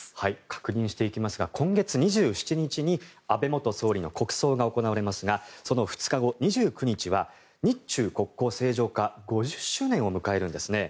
確認していきますが今月２７日に安倍元総理の国葬が行われますがその２日後、２９日は日中国交正常化５０周年を迎えるんですね。